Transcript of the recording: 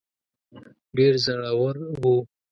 ډېر زړه ور وو.